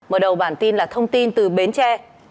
mở đầu bản tin là thông tin từ bến tre